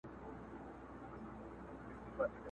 زما دعا به درسره وي زرکلن سې!!